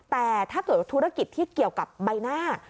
แต่ถ้าเกิดธุรกิจที่เกี่ยวกับใบหน้า